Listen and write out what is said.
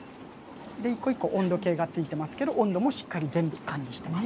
で一個一個温度計がついてますけど温度もしっかり全部管理してます。